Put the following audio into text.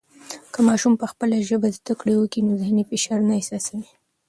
که ماشوم په خپله ژبه زده کړه و کي نو ذهني فشار نه احساسوي.